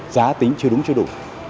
giá tính chưa đúng chưa đủ